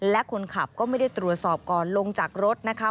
และคนขับก็ไม่ได้ตรวจสอบก่อนลงจากรถนะคะ